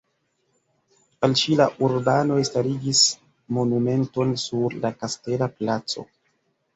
Al ŝi la urbanoj starigis monumenton sur la kastela placo.